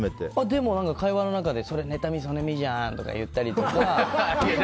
でも、会話の中でそれ、ねたみそねみじゃん！って言ったりとか。